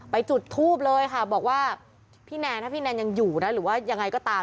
จุดทูบเลยค่ะบอกว่าพี่แนนถ้าพี่แนนยังอยู่นะหรือว่ายังไงก็ตาม